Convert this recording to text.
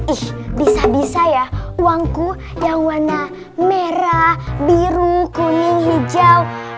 ih bisa bisa ya uangku yang warna merah biru kuning hijau